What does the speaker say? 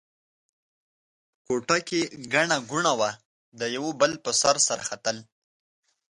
په کوټه کې ګڼه ګوڼه وه؛ د یوه بل پر سر سره ختل.